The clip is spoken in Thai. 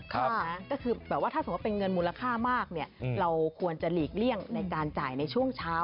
ถ้าสมมุติว่าเป็นเงินมูลค่ามากเราควรจะหลีกเลี่ยงในการจ่ายในช่วงเช้า